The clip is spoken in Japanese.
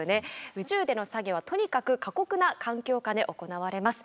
宇宙での作業はとにかく過酷な環境下で行われます。